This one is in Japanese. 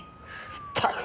ったく！